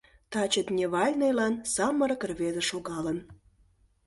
Таче дневальныйлан самырык рвезе шогалын.